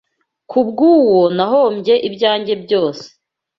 Ku bw’uwo nahombye ibyanjye byose